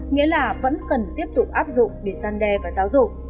nghĩa là vẫn cần tiếp tục áp dụng để săn đe và giáo dục